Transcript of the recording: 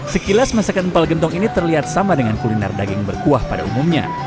sekilas masakan empal gentong ini terlihat sama dengan kuliner daging berkuah pada umumnya